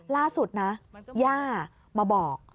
ล่าสุดนะย่ามาบอก